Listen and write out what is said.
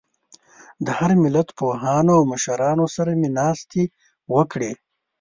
د هر ملت پوهانو او مشرانو سره مې ناستې وکړې.